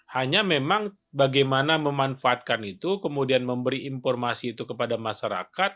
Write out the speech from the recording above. hanya memang bagaimana memanfaatkan itu kemudian memberi informasi itu kepada masyarakat